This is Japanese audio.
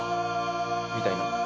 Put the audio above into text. みたいな。